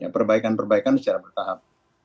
perbaikan perbaikan secara bertahap